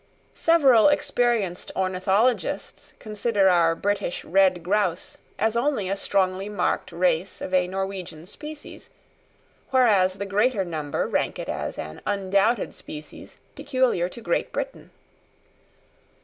Several experienced ornithologists consider our British red grouse as only a strongly marked race of a Norwegian species, whereas the greater number rank it as an undoubted species peculiar to Great Britain.